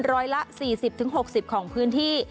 ร้อยละ๔๐๖๐ของพื้นที่